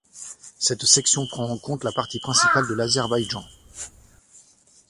Cette section prend en compte la partie principale de l'Azerbaïdjan.